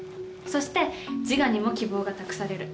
そしてジガにも希望が託される。